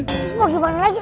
terus mau gimana lagi